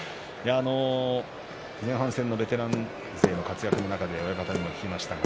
前半戦のベテラン勢の活躍の中で親方に聞きました。